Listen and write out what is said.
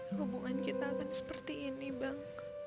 hubungan kita akan seperti ini bang